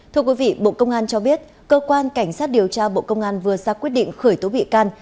thưa quý vị bộ công an cho biết cơ quan cảnh sát điều tra bộ công an vừa ra quyết định khởi tố bị can